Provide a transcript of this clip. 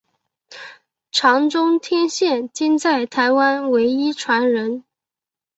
常中天现今在台湾唯一传人。